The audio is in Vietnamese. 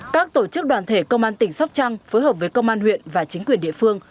các tổ chức đoàn thể công an tỉnh sóc trăng phối hợp với công an huyện và chính quyền địa phương